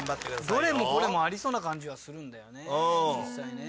どれもこれもありそうな感じはするんだよね実際ね。